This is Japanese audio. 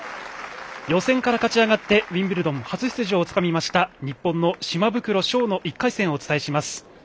予選から勝ち上がってウィンブルドン初出場をつかみました日本の島袋将の１回戦をお伝えします。